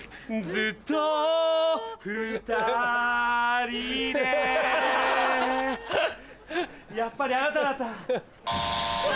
ずっと２人でやっぱりあなただった。